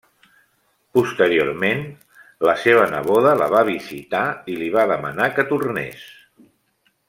Posteriorment, la seva neboda la va visitar i li va demanar que tornés.